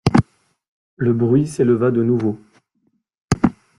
Le bruit s’éleva de nouveau.